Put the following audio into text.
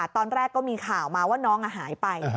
ตอนแรกก็มีข่าวมาว่าน้องหายไป